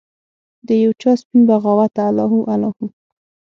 د یوچا سپین بغاوته الله هو، الله هو